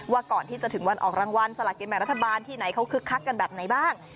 ว่าก่อนที่จะถึงวันออกรางวัลสละกินแบ่งรัฐบาลที่ไหนเขาคึกคักกันแบบไหนบ้าง